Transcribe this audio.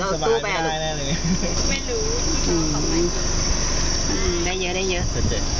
มาหลับมาไม่เห็นไว้พวกพี่